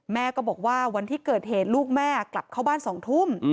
แม่ก็บอกว่าวันที่เกิดเหตุลูกแม่กลับเข้าบ้าน๒ทุ่ม